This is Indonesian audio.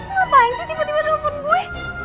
ngapain sih tiba tiba telepon gue